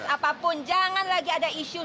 apapun jangan lagi ada isu